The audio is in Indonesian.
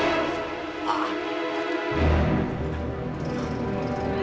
nisa gak dapat makan